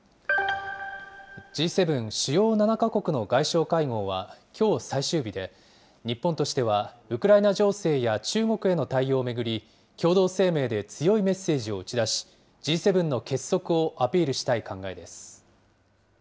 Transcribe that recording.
Ｇ７・主要７か国の外相会合は、きょう最終日で、日本としてはウクライナ情勢や中国への対応を巡り、共同声明で強いメッセージを打ち出し、Ｇ７の結束をアピールしたい考えです。